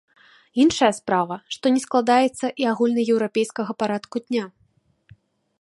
Іншая справа, што не складаецца і агульнаеўрапейскага парадку дня.